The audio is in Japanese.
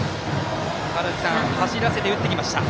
走らせて打ってきました。